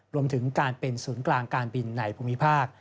รวมถึงการเป็นศูนย์กลางการบินในภูมิภาค